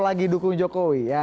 lagi dukung jokowi